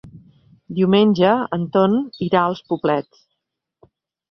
Diumenge en Ton irà als Poblets.